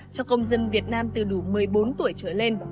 nhân dân việt nam từ đủ một mươi bốn tuổi trở lên